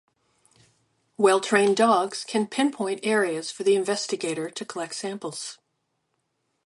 Well-trained dogs can pinpoint areas for the investigator to collect samples.